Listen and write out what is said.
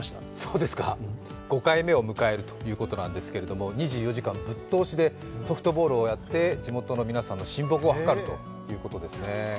５回目を迎えるということなんですが２４時間ぶっ通しでソフトボールをやって地元の皆さんの親睦をはかるということですね